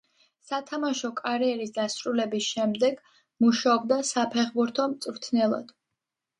სათამაშო კარიერის დასრულების შემდეგ მუშაობდა საფეხბურთო მწვრთნელად.